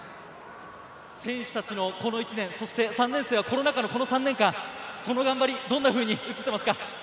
選手たちのこの１年、３年生はコロナ禍の３年間、その頑張り、どんなふうに映っていますか？